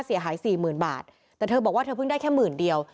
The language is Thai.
เสียหาย๔๐๐๐๐บาทแต่เธอบอกว่าเธอเพิ่งได้แค่๑๐๐๐๐เดียว